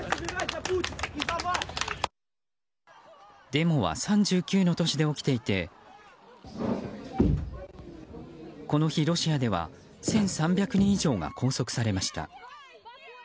デモは３９の都市で起きていてこの日、ロシアでは１３００人以上が拘束されました。